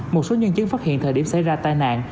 một số nhân chứng phát hiện thời điểm xảy ra tai nạn